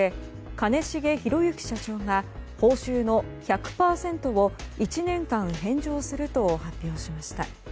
兼重宏行社長が報酬の１００％を１年間返上すると発表しました。